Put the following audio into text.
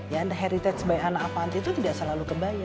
the heritage by hana apanti itu tidak selalu kebaya